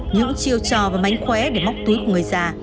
những chiêu trò và mánh khóe để móc túi của người già